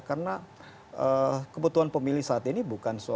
karena kebutuhan pemilih saat ini bukan suatu